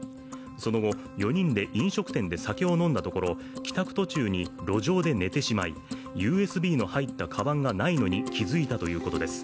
その後、４人で飲食店で酒を飲んだところ、帰宅途中に路上で寝てしまいＵＳＢの入ったかばんがないことに気付いたということです。